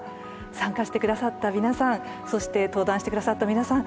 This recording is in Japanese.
参加して下さった皆さんそして登壇して下さった皆さん